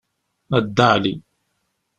A Dda Ɛli.